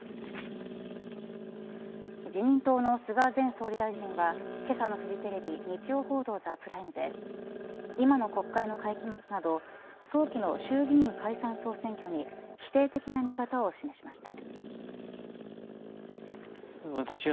自民党の菅前総理大臣はけさのフジテレビ日曜報道ＴＨＥＰＲＩＭＥで今の国会の会期末など早期の衆議院解散総選挙に否定的な見方を示しました。